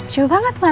coba gak teman